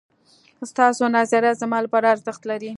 ستاسو نظريات زما لپاره ارزښت لري